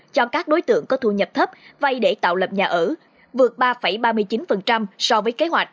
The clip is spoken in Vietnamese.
cho các đối tượng có thu nhập thấp vay để tạo lập nhà ở vượt ba ba mươi chín so với kế hoạch